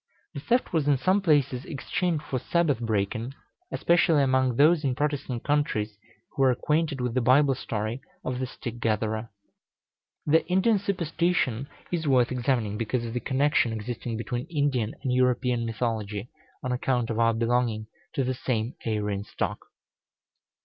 The theft was in some places exchanged for Sabbath breaking, especially among those in Protestant countries who were acquainted with the Bible story of the stick gatherer. The Indian superstition is worth examining, because of the connection existing between Indian and European mythology, on account of our belonging to the same Aryan stock.